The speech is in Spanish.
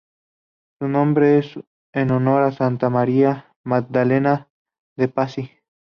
Su nombre es en honor a Santa María Magdalena de Pazzi.